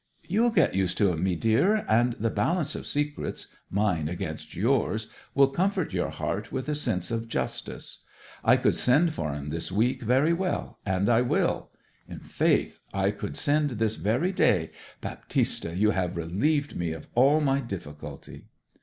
'You'll get used to 'em, mee deer, and the balance of secrets mine against yours will comfort your heart with a sense of justice. I could send for 'em this week very well and I will! In faith, I could send this very day. Baptista, you have relieved me of all my difficulty!'